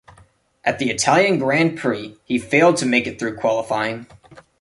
At the Italian Grand Prix he failed to make it through qualifying.